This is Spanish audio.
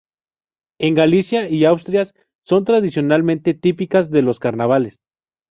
En Galicia y Asturias son, tradicionalmente, típicas de los carnavales.